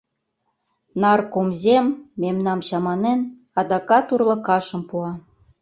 Наркомзем, мемнам чаманен, адакат урлыкашым пуа.